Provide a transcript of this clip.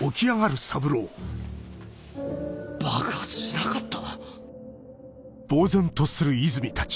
爆発しなかった？